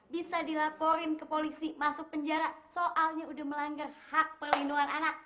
bisa dilaporin ke polisi masuk penjara soalnya udah melanggar hak perlindungan anak